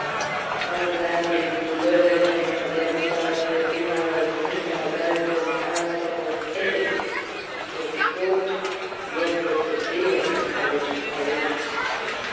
How gladly would learned men have laid aside for a few hours Pindar's Odes and Aristotle's Ethics, to escort the author of Cecilia from college to college!